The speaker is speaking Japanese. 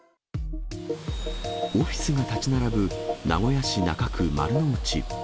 オフィスが建ち並ぶ名古屋市中区丸の内。